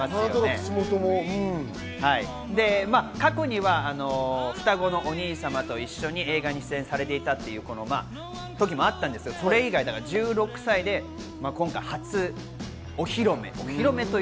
過去には双子のお兄様と一緒に映画に出演されていた時もあったんですが、それ以来、１６歳で初お披露目。